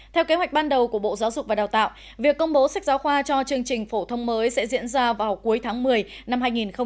theo kế hoạch ban đầu của bộ giáo dục và đào tạo việc công bố sách giáo khoa cho chương trình phổ thông mới sẽ diễn ra vào cuối tháng một mươi năm hai nghìn một mươi chín